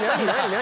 何？